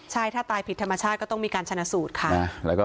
ใช่ถ้าตายผิดธรรมชาติก็ต้องมีการชนะสูตรค่ะ